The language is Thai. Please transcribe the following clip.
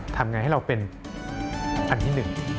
ทำอย่างไรให้เราเป็นอันที่๑